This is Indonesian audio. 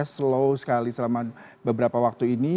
slow sekali selama beberapa waktu ini